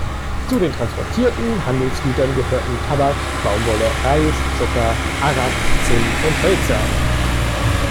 Zu den transportierten Handelsgütern gehörten Tabak, Baumwolle, Reis, Zucker, Arrak, Zinn und Hölzer.